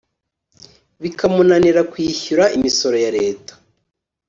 bikamunanira kwishyura imisoro ya Leta